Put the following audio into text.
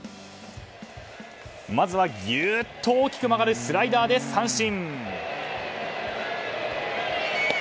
まずはギューッと大きく曲がるスライダーで三振。